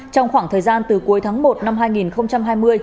trong khoảng thời gian từ cuối tháng một năm hai nghìn hai mươi